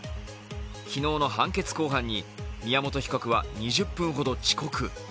昨日の判決公判に宮本被告は２０分ほど遅刻。